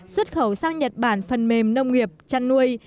xuất khẩu sang nhật bản phần mềm nông nghiệp chăn nuôi